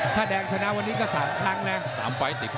ถ้าแดงชนะวันนี้ก็๓ครั้งนะ๓ไฟล์ติด